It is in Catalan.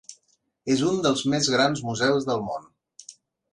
És un dels més grans museus del món.